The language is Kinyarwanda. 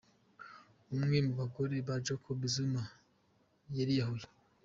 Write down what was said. Umwe mu bagore ba Jacob Zuma yariyahuye